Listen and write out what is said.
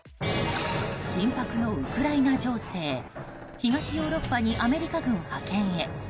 緊迫のウクライナ情勢東ヨーロッパにアメリカ軍派遣へ。